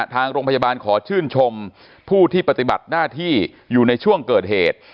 ทางโรงพยาบาลขอชื่นชมผู้ที่ปฏิบัติหน้าที่อยู่ในช่วงเกิดเหตุ